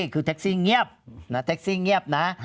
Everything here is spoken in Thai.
คือแท็กซี่เงียบแท็กซี่เงียบนะ